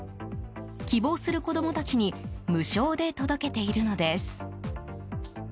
希望する子供たちに無償で届けているのです。